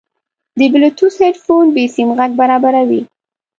د بلوتوث هیډفون بېسیم غږ برابروي.